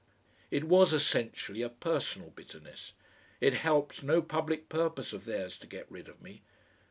It was essentially a personal bitterness; it helped no public purpose of theirs to get rid of me.